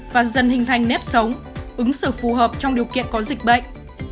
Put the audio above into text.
và dần hình thành nếp sống ứng xử phù hợp trong điều kiện có dịch bệnh